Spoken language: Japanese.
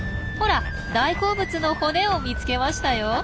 ほら大好物の骨を見つけましたよ。